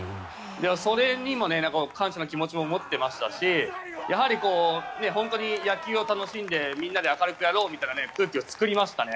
それにも感謝の気持ちも持ってましたしやはり、本当に野球を楽しんでみんなで明るくやろうみたいな雰囲気を作りましたね。